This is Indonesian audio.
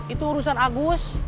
itu urusan agus